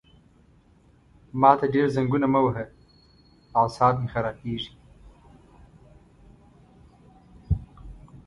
ما ته ډېر زنګونه مه وهه عصاب مې خرابېږي!